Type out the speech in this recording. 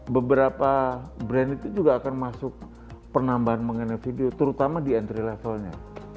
beberapa brand itu juga akan masuk penambahan mengenai video terutama di entry levelnya